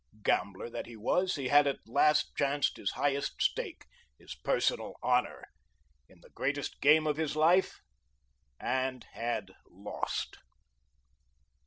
Gambler that he was, he had at last chanced his highest stake, his personal honour, in the greatest game of his life, and had lost.